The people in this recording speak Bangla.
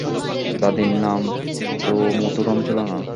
দাদির নাম তো মুথুরাম ছিল না।